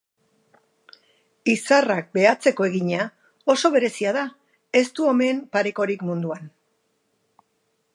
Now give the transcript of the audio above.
Izarrak behatzeko egina, oso berezia da, ez du omen parekorik munduan.